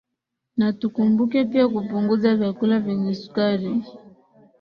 na tukumbuke pia kupunguza vyakula vyeye sukari